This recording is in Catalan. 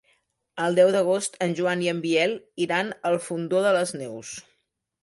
El deu d'agost en Joan i en Biel iran al Fondó de les Neus.